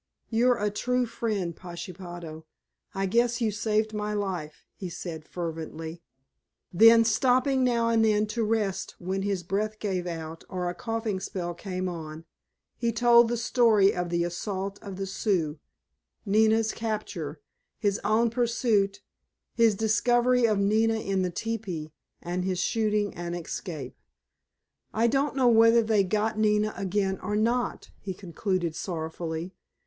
"You're a true friend, Pashepaho, I guess you saved my life," he said fervently. Then, stopping now and then to rest when his breath gave out or a coughing spell came on, he told the story of the assault of the Sioux, Nina's capture, his own pursuit, his discovery of Nina in the teepee, and his shooting and escape. "I don't know whether they got Nina again or not," he concluded sorrowfully.